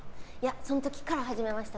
その時から始めました